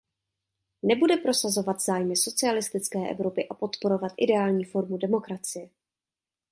Nebude prosazovat zájmy socialistické Evropy a podporovat ideální formu demokracie.